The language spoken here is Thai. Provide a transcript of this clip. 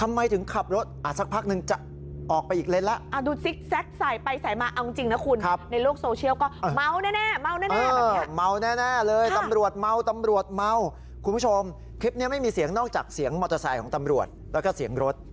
มาในแน่เลยตำรวจเมาตำรวจเมาคุณผู้ชมคลิปไม่มีเสียงนอกจากเสียงมอเตอร์ไซด์ของตำรวจแล้วก็เสียงรถ